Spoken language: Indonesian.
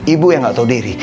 ibu yang gak tahu diri